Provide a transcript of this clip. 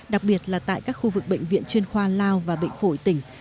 đặc biệt là tại các khu vực bệnh viện chuyên khoa lao và bệnh phổi tỉnh